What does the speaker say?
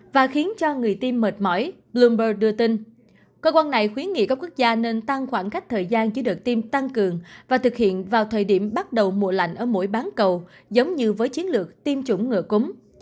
và khiến cho người tiêm mệt mỏi bloomber đưa tin cơ quan này khuyến nghị các quốc gia nên tăng khoảng cách thời gian chỉ được tiêm tăng cường và thực hiện vào thời điểm bắt đầu mùa lạnh ở mỗi bán cầu giống như với chiến lược tiêm chủng ngừa cúm